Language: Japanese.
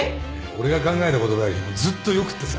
俺が考えた言葉よりずっとよくってさ。